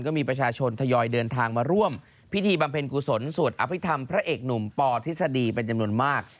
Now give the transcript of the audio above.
ก็มีประชาชนทยอยเดินทางมาร่วมพิธีบำเพ็ญกุศลสวดอภิษฐรรมพระเอกหนุ่มปธิษฎีเป็นจำนวนมาก